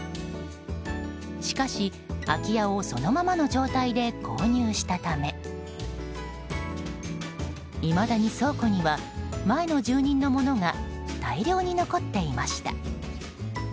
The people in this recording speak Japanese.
しかし、空き家をそのままの状態で購入したためいまだに倉庫には前の住人のものが大量に残っていました。